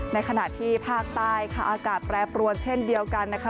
ในขณะที่ภาคใต้ค่ะอากาศแปรปรวนเช่นเดียวกันนะคะ